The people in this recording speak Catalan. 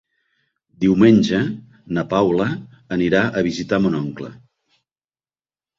Diumenge na Paula anirà a visitar mon oncle.